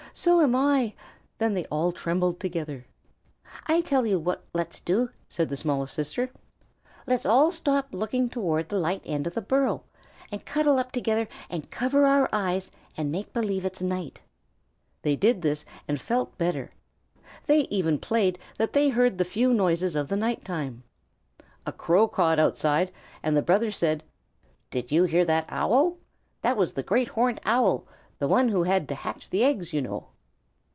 "So am I!" Then they all trembled together. "I tell you what let's do," said the smallest sister. "Let's all stop looking toward the light end of the burrow, and cuddle up together and cover our eyes and make believe it's night." They did this and felt better. They even played that they heard the few noises of the night time. A Crow cawed outside, and the brother said, "Did you hear that Owl? That was the Great Horned Owl, the one who had to hatch the eggs, you know."